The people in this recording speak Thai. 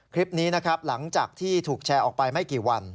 คลิปนี้นะครับหลังจากที่ถูกแชร์ออกไปไม่กี่วัน